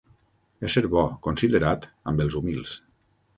Ésser bo, considerat, amb els humils.